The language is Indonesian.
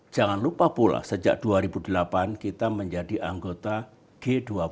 jangan lupa pula sejak dua ribu delapan kita menjadi anggota g dua puluh